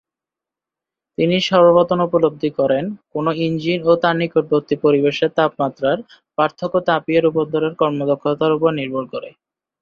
তিনিই সর্বপ্রথম উপলব্ধি করেন, কোনো একটি ইঞ্জিন ও তার নিকটবর্তী পরিবেশের তাপমাত্রার পার্থক্য তাপীয় রূপান্তরের কর্মদক্ষতার উপর নির্ভর করে।